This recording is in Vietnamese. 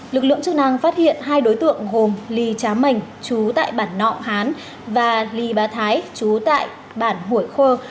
lực lượng chức năng phát hiện hai đối tượng gồm lý trám mảnh chú tại bản nọ hán và lý bà thái chú tại bản hủy khuẩn